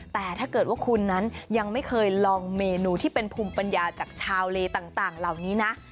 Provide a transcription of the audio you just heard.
แต่ถ้าเกิดว่าคุณนั้นยังไม่เคยลองเมนูที่เป็นภูมิปัญญาจากชาวเลต่างเหล่านี้นะ